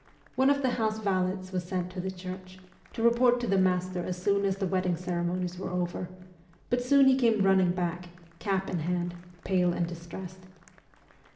One of the house valets was sent to the church, to report to the master as soon as the wedding ceremonies were over ; but soon he came running back, cap in hand, pale and distressed.